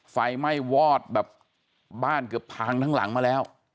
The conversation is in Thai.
ไฟไหม้วอดแบบบ้านเกือบพังทั้งหลังมาแล้ว